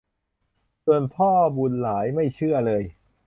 ส่วนพ่อบุญหลายไม่เชื่อเลย